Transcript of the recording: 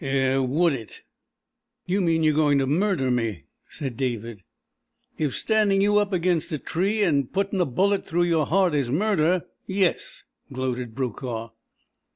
Eh would it?" "You mean you're going to murder me?" said David "If standing you up against a tree and putting a bullet through your heart is murder yes," gloated Brokaw.